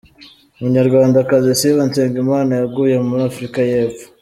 Umunyarwandakazi Sifa Nsengimana yaguye muri Afurika y’Epfo